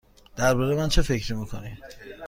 درباره من چه فکر می کنی؟